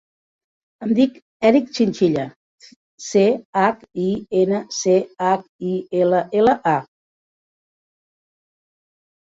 Em dic Eric Chinchilla: ce, hac, i, ena, ce, hac, i, ela, ela, a.